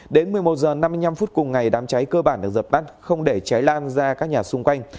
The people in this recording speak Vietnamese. đến một mươi một h năm mươi năm phút cùng ngày đám cháy cơ bản được dập tắt không để cháy lan ra các nhà xung quanh